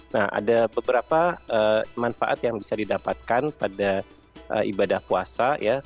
nah ada beberapa manfaat yang bisa didapatkan pada ibadah puasa